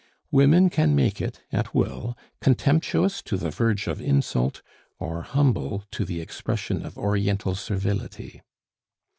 Women can make it, at will, contemptuous to the verge of insult, or humble to the expression of Oriental servility.